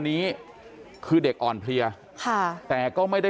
เพื่อนบ้านเจ้าหน้าที่อำรวจกู้ภัย